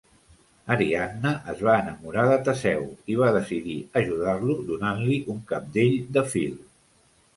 Ariadna es va enamorar de Teseu i va decidir ajudar-lo donant-li un cabdell de fil.